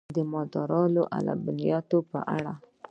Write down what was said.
د مالدارۍ او لبنیاتو په اړه: